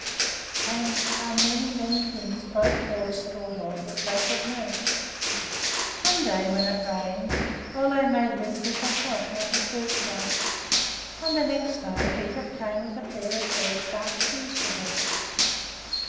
And how many, many things both boys thought of that they could make! One day when it rained Ole made Lisbeth a hat out of birch bark, and the next day Peter came with a pair of birch bark shoes for her.